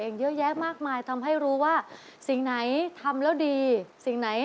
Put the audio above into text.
นั่นล่ะจะดูปากเข้าก่อน